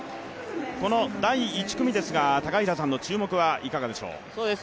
この第１組ですが、高平さんの注目はいかがでしょう？